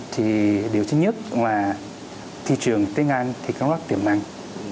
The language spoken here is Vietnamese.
thì điều thứ nhất là thị trường tiếng anh thì có rất tiềm năng